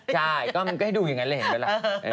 ใช่ก็มันก็ให้ดูอย่างนั้นเลยเห็นไหมล่ะ